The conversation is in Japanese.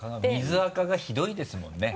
水あかがひどいですもんね。